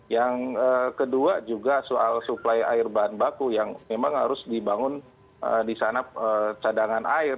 yang kedua juga soal suplai air bahan baku yang memang harus dibangun di sana cadangan air